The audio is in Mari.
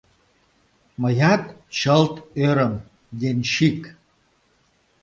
Мыят чылт ӧрым: денщик!..